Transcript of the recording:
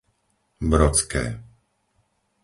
Brodské